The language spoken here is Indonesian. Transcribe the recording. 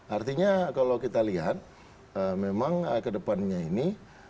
artinya kalau kita lihat memang ke depannya ini